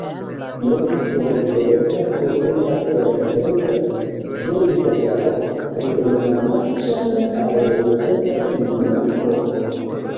Nova Georgio estas kovrita per densa vegetaĵaro, kaj en la marĉaj areoj estas mangrovoj.